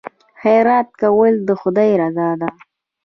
خیرات کول د خدای رضا ده.